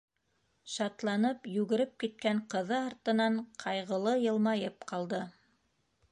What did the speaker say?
Шатланып йүгереп киткән ҡыҙы артынан ҡайғылы йылмайып ҡалды.